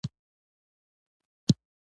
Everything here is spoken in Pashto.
چې ډوډۍ مې خوړه؛ احمد مې زړه ته جګ ودرېد.